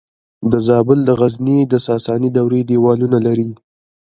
د زابل د غزنیې د ساساني دورې دیوالونه لري